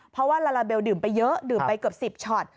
เพราะว่าลาลาเบลดื่มไปเยอะดื่มไปเกือบ๑๐ช็อต